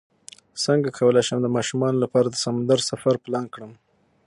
څنګه کولی شم د ماشومانو لپاره د سمندر سفر پلان کړم